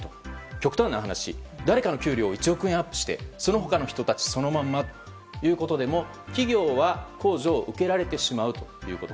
極端な話誰かの給料を１億円アップしてその他の人たちはそのままでも、企業は控除を受けられてしまうということ。